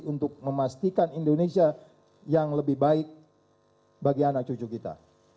untuk memastikan indonesia yang lebih baik bagi anak cucu kita